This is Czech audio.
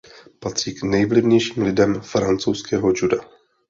Patří k nejvlivnějším lidem francouzského juda.